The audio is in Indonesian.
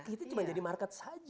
kita cuma jadi market saja